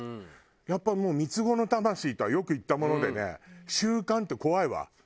やっぱりもう三つ子の魂とはよく言ったものでね習慣って怖いわ。